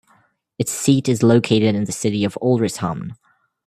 Its seat is located in the city of Ulricehamn.